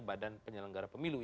badan penyelenggara pemilu